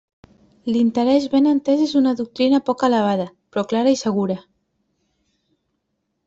L'interès ben entès és una doctrina poc elevada, però clara i segura.